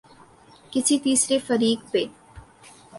کسی تیسرے فریق پہ۔